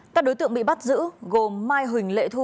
các đối tượng bị bắt giữ gồm mai huỳnh lệ thu